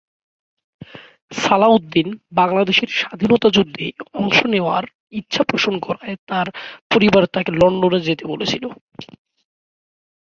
সালাউদ্দিন বাংলাদেশের স্বাধীনতা যুদ্ধে অংশ নেওয়ার ইচ্ছা পোষণ করায় তার পরিবার তাকে লন্ডনে যেতে বলেছিল।